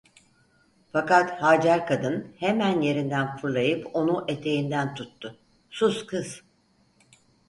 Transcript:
Fakat Hacer kadın hemen yerinden fırlayıp onu eteğinden tuttu: "Sus kız!"